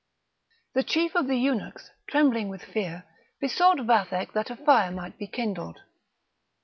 The chief of the eunuchs, trembling with fear, besought Vathek that a fire might be kindled.